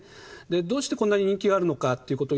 どうしてこんなに人気があるのかまあ